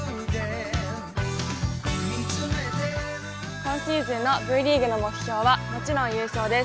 今シーズンのＶリーグの目標は、もちろん優勝です。